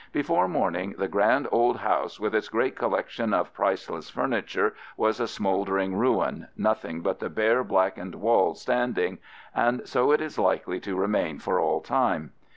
Before morning the grand old house, with its great collection of priceless furniture, was a smouldering ruin, nothing but the bare blackened walls standing, and so it is likely to remain for all time.